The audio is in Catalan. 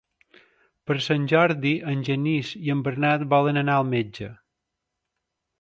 Per Sant Jordi en Genís i en Bernat volen anar al metge.